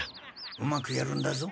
うまくやるんだぞ。